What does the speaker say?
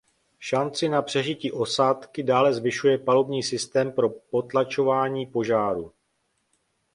Šanci na přežití osádky dále zvyšuje palubní systém pro potlačování požáru.